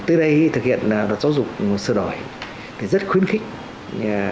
tới đây thực hiện là đợt giáo dục sửa đổi thì rất khuyến khích